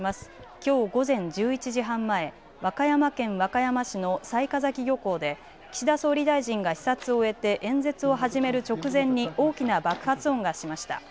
きょう午前１１時半前、和歌山県和歌山市の雑賀崎漁港で岸田総理大臣が視察を終えて演説を始める直前に大きな爆発音がしました。